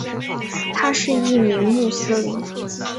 他是一名穆斯林。